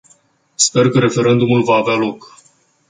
Sper că referendumul va avea loc.